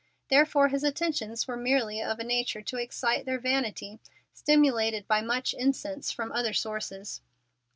Therefore his attentions were merely of a nature to excite their vanity, stimulated by much incense from other sources.